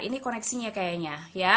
ini koneksinya kayaknya